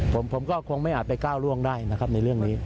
ผมก็คงไม่อาจไปก้าวล่วงได้นะครับในเรื่องนี้